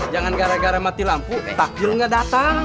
jangan gara gara mati lampu takjil gak datang